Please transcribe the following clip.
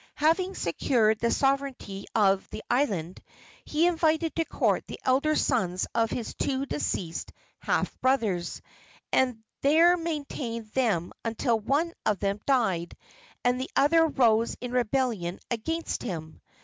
Having secured the sovereignty of the island, he invited to court the elder sons of his two deceased half brothers, and there maintained them until one of them died and the other rose in rebellion against him.